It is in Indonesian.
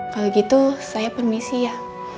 kalau gitu saya permisi ya